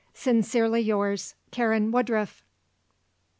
Sincerely yours, "Karen Woodruff."